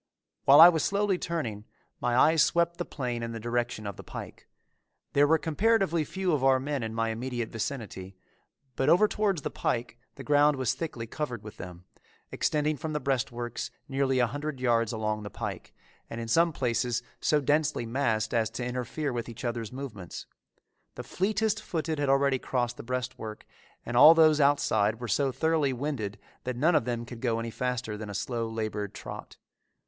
While I was slowly turning, my eyes swept the plain in the direction of the pike. There were comparatively few of our men in my immediate vicinity, but over towards the pike the ground was thickly covered with them, extending from the breastworks nearly a hundred yards along the pike, and in some places so densely massed as to interfere with each other's movements. The fleetest footed had already crossed the breastwork and all those outside were so thoroughly winded that none of them could go any faster than a slow, labored trot.